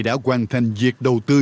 đã hoàn thành việc đầu tư